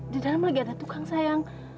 di dalam lagi ada tukang sayang